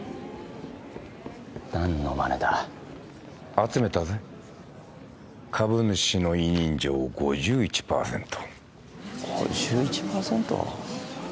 何のマネだ集めたぜ株主の委任状５１％５１％？